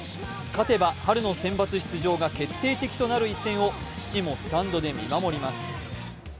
勝てば春の選抜出場が決定的となる一戦を父もスタンドで見守ります。